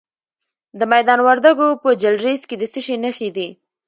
د میدان وردګو په جلریز کې د څه شي نښې دي؟